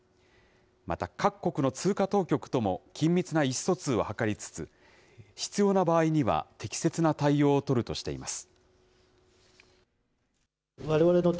また、各国の通貨当局とも緊密な意思疎通を図りつつ、必要な場合には、適切な対応を取るとしています。